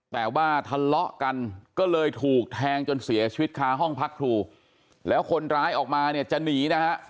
แต่ว่าทะเลาะกันก็เลยถูกแทงจนเสียชีวิตคาห้องพักครูแล้วคนร้ายออกมาเนี่ยจะหนีนะฮะ